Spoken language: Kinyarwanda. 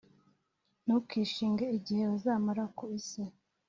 Ntukishinge igihe bazamara ku isi,